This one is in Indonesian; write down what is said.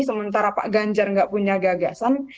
sementara pak ganjar nggak punya gagasan